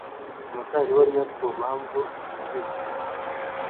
umutangabuhamya ku mpamvu zumvikana